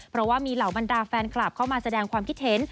เพราะว่ามีเหล่าบรรดาแฟนคลับเข้ามาแสดงความคิดเห็น